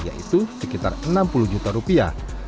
yaitu sekitar enam puluh juta rupiah